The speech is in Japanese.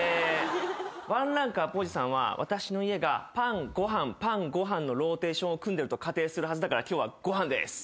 ワンランクアップおじさんは私の家がパンご飯パンご飯のローテーションを組んでると仮定するはずだから今日はご飯です。